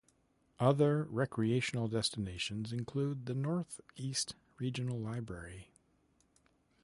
Other recreational destinations include the Northeast Regional Library.